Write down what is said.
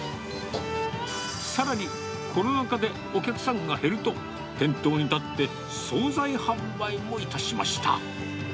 さらに、コロナ禍でお客さんが減ると、店頭に立って総菜販売もいたしました。